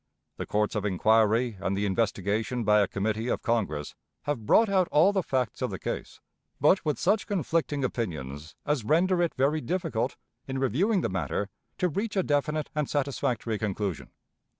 The courts of inquiry and the investigation by a committee of Congress have brought out all the facts of the case, but with such conflicting opinions as render it very difficult, in reviewing the matter, to reach a definite and satisfactory conclusion.